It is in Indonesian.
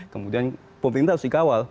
kemudian pemerintah harus dikawal